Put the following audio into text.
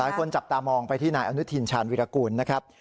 จับตามองไปที่นายอนุทินชาญวิรากูลนะครับ